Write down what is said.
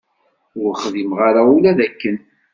Ur xdimeɣ ara ula d akken.